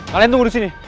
kalian tunggu di sini